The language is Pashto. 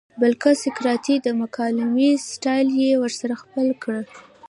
بلکه د سقراطی مکالمې سټائل ئې ورسره خپل کړۀ